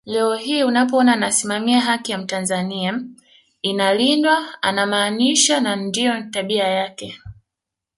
Leo hii unapoona anasimamia haki ya mtanzania inalindwa anamaanisha na ndio tabia yake